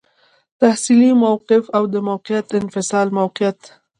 تحصیلي موقف او د موقت انفصال موقف.